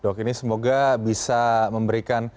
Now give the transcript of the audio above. dok ini semoga bisa memberikan